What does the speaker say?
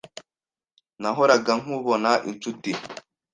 Nahoraga nkubona inshuti.